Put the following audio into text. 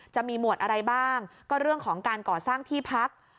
จะมีหมวดอะไรบ้างก็เรื่องของการก่อสร้างที่พัก